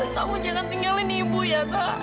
kamu jangan tinggalin ibu yata